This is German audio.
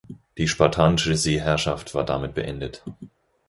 Die spartanische Seeherrschaft war damit beendet.